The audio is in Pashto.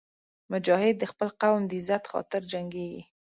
مجاهد د خپل قوم د عزت خاطر جنګېږي.